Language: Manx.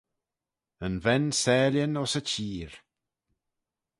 Yn ven s'aalin ayns y cheer.